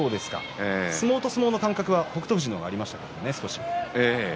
相撲と相撲の間隔は北勝富士の方がありましたけどね。